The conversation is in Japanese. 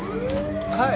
はい。